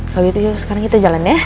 kalau gitu yuk sekarang kita jalan deh